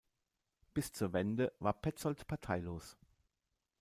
Bis zur Wende war Petzold parteilos.